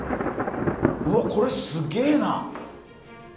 うわっこれすげえな！